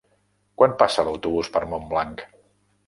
Quan passa l'autobús per Montblanc?